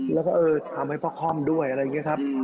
แล้วก็เออทำให้พ่อค่อมด้วยอะไรอย่างนี้ครับ